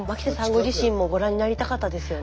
ご自身もご覧になりたかったですよね。